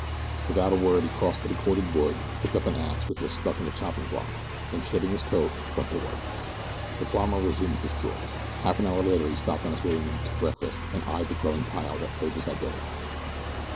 Without a word he crossed to the corded wood, picked up an ax which was stuck in a chopping block, and, shedding his coat, went to work. The farmer resumed his chores. Half an hour later he stopped on his way in to breakfast and eyed the growing pile that lay beside Billy.